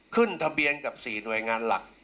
ขึ้นทะเบียนกับ๔หน่วยงานหลัก